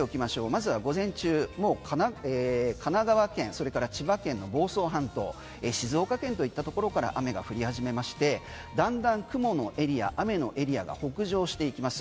まずは午前中神奈川県、それから千葉県の房総半島静岡県といったところから雨が降り始めましてだんだん雲のエリア雨のエリアが北上していきます。